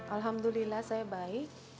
alhamdulillah saya baik